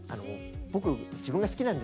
僕自分が好きなんですね。